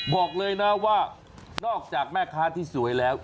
บอกเลยนะว่านอกจากแม่ค้าที่สวยแล้ว